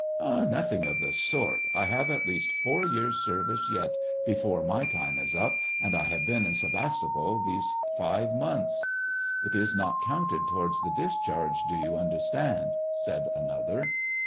" Nothing of the sort ; I have at least four years service yet before my time is up, and I have been in Sevastopol these five months." " It is not counted towards the discharge, do you understand," said another.